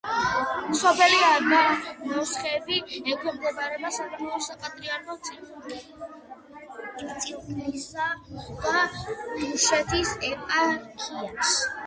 სოფელი აბანოსხევი ექვემდებარება საქართველოს საპატრიარქოს წილკნისა და დუშეთის ეპარქიას.